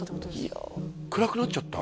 いや暗くなっちゃった？